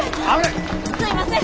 すいません！